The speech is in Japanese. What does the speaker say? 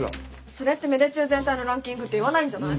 それって芽出中全体のランキングっていわないんじゃない？